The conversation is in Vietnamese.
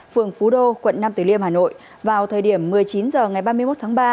phường phú đô quận năm từ liêm hà nội vào thời điểm một mươi chín h ngày ba mươi một tháng ba